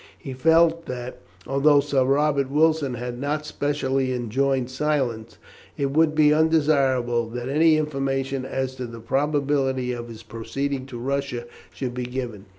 He felt that, although Sir Robert Wilson had not specially enjoined silence, it would be undesirable that any information as to the probability of his proceeding to Russia should be given.